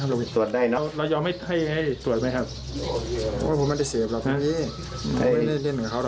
คือหลบสายตาแล้วก็ปั่นมือ